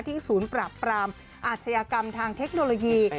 ศูนย์ปราบปรามอาชญากรรมทางเทคโนโลยี